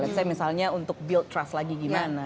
let's say misalnya untuk build trust lagi gimana